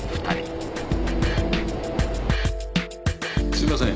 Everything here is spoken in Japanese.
すいません